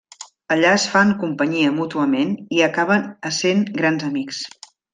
Allà es fan companyia mútuament i acaben essent grans amics.